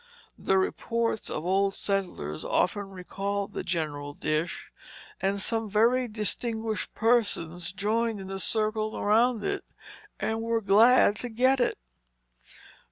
The reports of old settlers often recall the general dish; and some very distinguished persons joined in the circle around it, and were glad to get it.